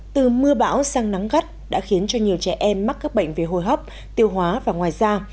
từ mưa bão sang nắng gắt đã khiến cho nhiều trẻ em mắc các bệnh về hô hấp tiêu hóa và ngoài da